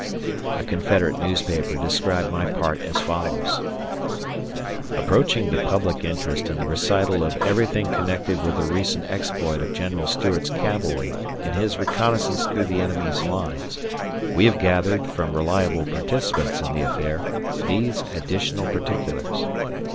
A Confederate newspaper described my part as follows: Appreciating the public interest in the recital of everything connected with the recent exploit of General Stuart's cavalry in his reconnaissance through the enemy's lines, we have gathered, from reliable participants in the affair, these additional particulars.